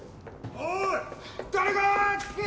おい！